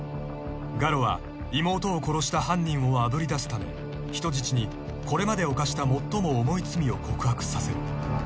［ガロは妹を殺した犯人をあぶり出すため人質にこれまで犯した最も重い罪を告白させる］